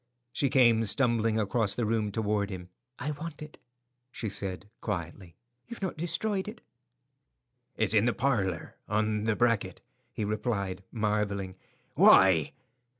She came stumbling across the room toward him. "I want it," she said, quietly. "You've not destroyed it?" "It's in the parlour, on the bracket," he replied, marvelling. "Why?"